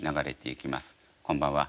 こんばんは。